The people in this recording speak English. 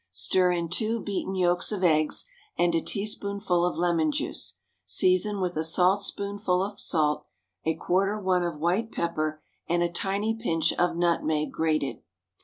Stir in two beaten yolks of eggs and a teaspoonful of lemon juice. Season with a saltspoonful of salt, a quarter one of white pepper, and a tiny pinch of nutmeg, grated.